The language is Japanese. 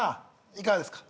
いかがですか？